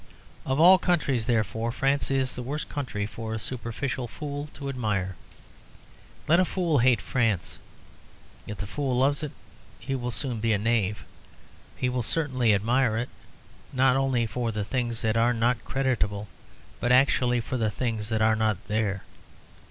Of all countries, therefore, France is the worst country for a superficial fool to admire. Let a fool hate France: if the fool loves it he will soon be a knave. He will certainly admire it, not only for the things that are not creditable, but actually for the things that are not there.